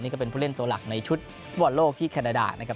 นี่ก็เป็นผู้เล่นตัวหลักในชุดฟุตบอลโลกที่แคนาดานะครับ